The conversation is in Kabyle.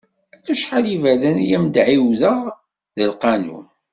Acḥal iberdan i am-d-ɛiwdeɣ, d lqanun.